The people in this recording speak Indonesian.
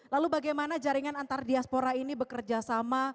lalu bagaimana jaringan antar diaspora ini bekerjasama